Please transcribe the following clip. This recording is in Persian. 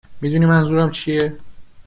میدونی منظورم چیه ؟